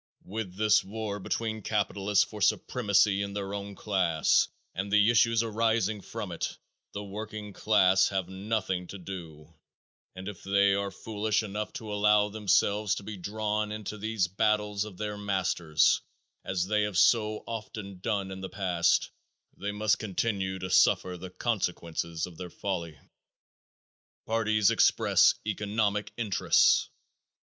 With this war between capitalists for supremacy in their own class and the issues arising from it, the working class have nothing to do, and if they are foolish enough to allow themselves to be drawn into these battles of their masters, as they have so often done in the past, they must continue to suffer the consequences of their folly. _Parties Express Economic Interests.